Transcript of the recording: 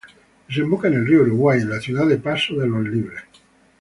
Desemboca en el río Uruguay en la ciudad de Paso de los Libres.